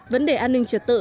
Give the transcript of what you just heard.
vấn đề an ninh trật tự